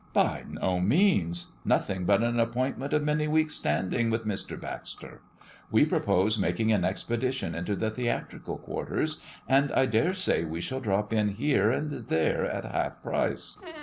"By no means! Nothing but an appointment of many weeks standing with Mr. Baxter. We propose making an expedition into the theatrical quarters, and I dare say we shall drop in here and there at half price."